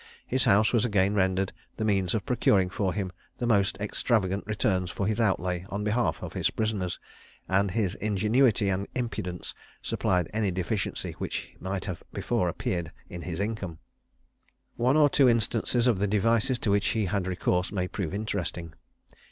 His house was again rendered the means of procuring for him the most extravagant returns for his outlay on behalf of his prisoners, and his ingenuity and impudence supplied any deficiency which might have before appeared in his income. One or two instances of the devices to which he had recourse may prove interesting.